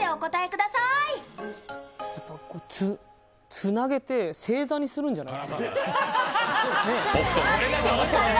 つなげて、星座にするんじゃない？